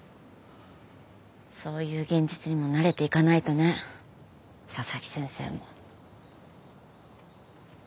そういう現実にも慣れていかないとね佐々木先生も。